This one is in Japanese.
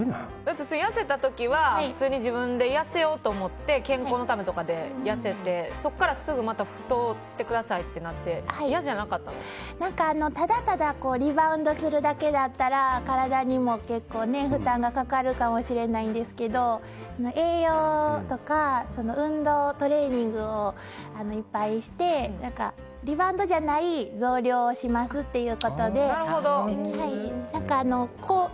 痩せた時は普通に自分で痩せようと思って健康のためとかで痩せてそこからすぐまた太ってくださいってなってただただリバウンドするだけだったら体にも結構、負担がかかるかもしれないんですけど栄養とか運動、トレーニングをいっぱいしてリバウンドじゃない増量をしますということで。